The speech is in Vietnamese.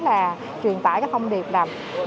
là truyền tải cái thông điệp là